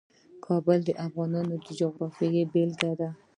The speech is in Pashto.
کابل د افغانستان د جغرافیې بېلګه ده.